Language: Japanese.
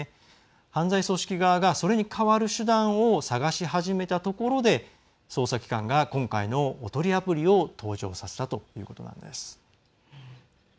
犯罪組織側がそれに代わる手段を探し始めたところで捜査機関が今回の、おとりアプリを登場させたということです。